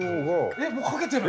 えもう書けてる？